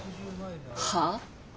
はあ？